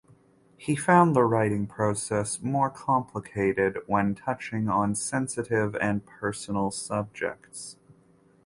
He found the writing process more complicated when touching on sensitive and personal subjects.